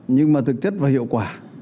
nhưng mà thực chất và hiệu quả